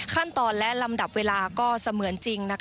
ขั้นตอนและลำดับเวลาก็เสมือนจริง